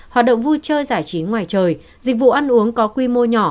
hoạt động vui chơi giải trí ngoài trời dịch vụ ăn uống có quy mô nhỏ